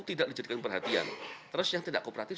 tidak dijadikan perhatian terus yang tidak kooperatif